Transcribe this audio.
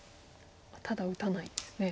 ただ打たないんですね。